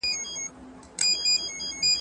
په دې زړه مه خوره که حالات خراب امنيت خراب شو